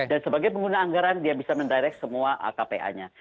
dan sebagai pengguna anggaran dia bisa mendirect semua kpa nya